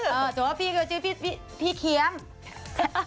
สมมุติว่าพี่คือชื่อพี่เคี้ยม